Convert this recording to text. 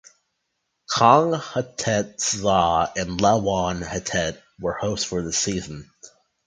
Kaung Htet Zaw and La Won Htet were the hosts for this season.